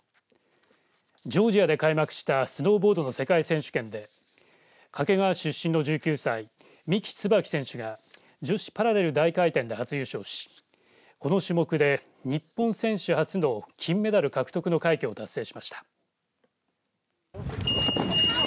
ジョージアで開幕したスノーボードの世界選手権で掛川市出身の１９歳三木つばき選手が女子パラレル大回転で初優勝しこの種目で日本選手初の金メダル獲得の快挙を達成しました。